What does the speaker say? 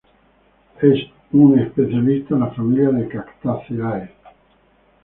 Es un especialista en la familia de Cactaceae.